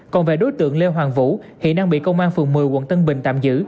còn về đối tượng lê hoàng vũ hiện đang bị công an phường một mươi quận tân bình tạm giữ